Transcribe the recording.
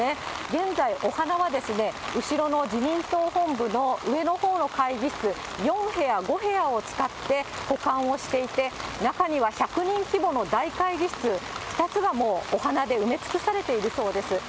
現在お花は後ろの自民党本部の上のほうの会議室４部屋、５部屋を使って、保管をしていて、中には１００人規模の大会議室２つがもうお花で埋め尽くされているそうです。